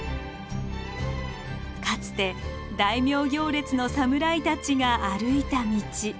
かつて大名行列の侍たちが歩いた道。